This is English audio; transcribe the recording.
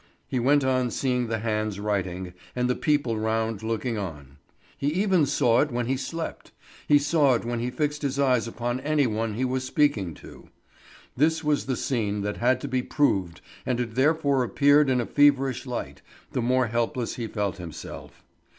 He went on seeing the hands writing, and the people round looking on. He even saw it when he slept; he saw it when he fixed his eyes upon any one he was speaking to. This was the scene that had to be proved and it therefore appeared in a feverish light, the more helpless he felt himself.